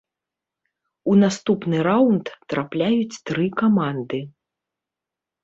У наступны раўнд трапляюць тры каманды.